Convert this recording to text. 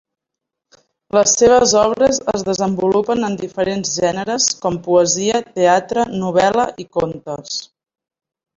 Les seves obres es desenvolupen en diferents gèneres com poesia, teatre, novel·la i contes.